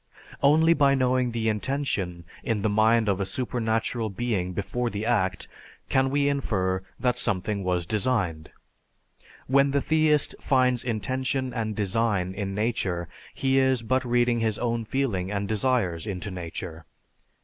Only by knowing the intention in the mind of a supernatural being before the act, can we infer that something was designed. When the theist finds intention and design in nature he is but reading his own feeling and desires into nature.